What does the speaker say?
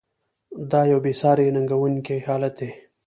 دا یوه بې ساري ننګونکی حالت دی.